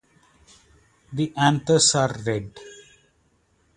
The anthers are red.